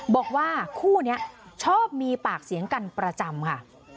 บอกว่าคู่นี้ชอบมีปากเสียงกันประจำค่ะ